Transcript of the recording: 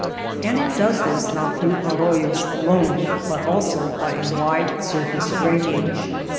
And it does this not through arroyos alone, but also by a wide surface drainage.